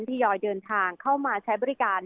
ทยอยเดินทางเข้ามาใช้บริการ